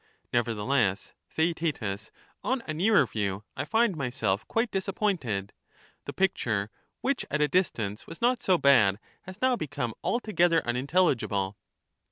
Nevertheless, Theaetetus, on a nearer view, I find myself quite disappointed ; the picture, which at a dis tance was not so bad, has now become altogether unin telligible.